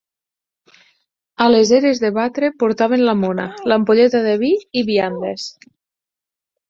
A les eres de batre portaven la mona, l'ampolleta de vi i viandes.